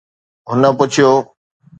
هن پڇيو